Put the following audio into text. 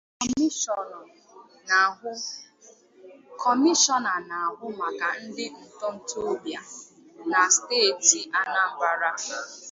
Kọmishọna na-ahụ maka ndị ntotobịa na steeti Anambra